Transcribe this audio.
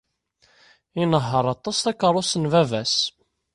Inehheṛ aṭas takeṛṛust n baba-s.